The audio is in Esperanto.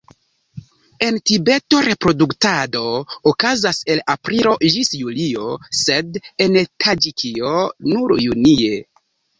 En Tibeto reproduktado okazas el aprilo ĝis julio, sed en Taĝikio nur junie.